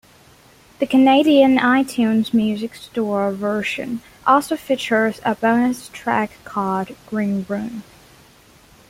The Canadian iTunes Music Store version also features a bonus track called "Green Room".